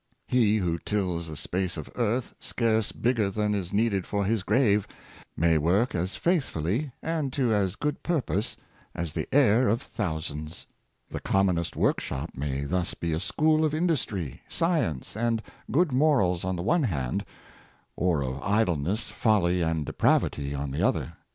He who tills a space of earth scarce bigger than is needed for his grave, may work as faith fully, and to as good purpose, as the heir of thousands. The commonest workshop may thus be a school of industry, science, and good morals, on the one hand; or of idleness, folly, and depravity, on the other.